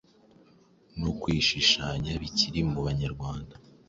no kwishishanya bikiri mu Banyarwanda.